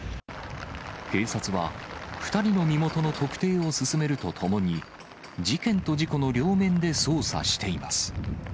警察は、２人の身元の特定を進めるとともに、事件と事故の両面で捜査しています。